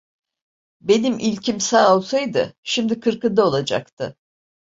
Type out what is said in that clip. Benim ilkim sağ olsaydı, şimdi kırkında olacaktı.